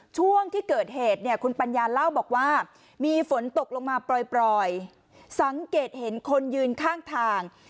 ช่วงที่เกิดเหตุเนี่ยคุณปัญญาเล่าบอกว่ามีฝนตกลงมาปล่อยสังเกตเห็นคนยืนข้างทาง